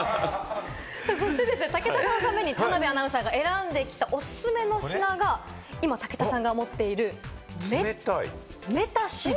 武田さんのために田辺アナウンサーが選んできたおすすめの品が今、武田さんが持っているメタシル。